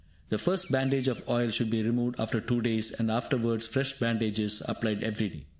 The first bandage of oil should be removed after two days, and afterwards fresh bandages applied every day.